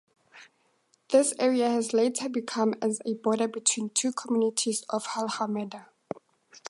This area has later become as a border between two communities of Hulhumeedhoo.